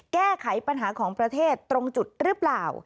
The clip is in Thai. แก้ไขปัญหาของประเทศตรงจุดหรือเปล่า